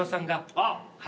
あっ。